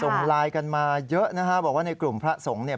ส่งไลน์กันมาเยอะนะฮะบอกว่าในกลุ่มพระสงฆ์เนี่ย